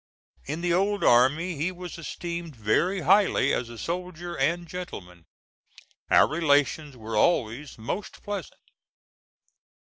In the old army he was esteemed very highly as a soldier and gentleman. Our relations were always most pleasant.